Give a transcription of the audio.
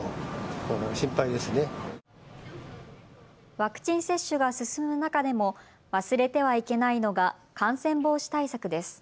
ワクチン接種が進む中でも忘れてはいけないのが感染防止対策です。